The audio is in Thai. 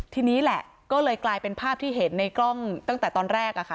ทีนี้แหละก็เลยกลายเป็นภาพที่เห็นในกล้องตั้งแต่ตอนแรกอะค่ะ